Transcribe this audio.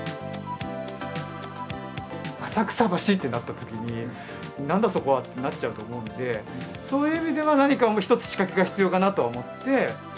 浅草橋ってなったときに、なんだそこはってなっちゃうと思うので、そういう意味では何か一つ仕掛けが必要かなと思って。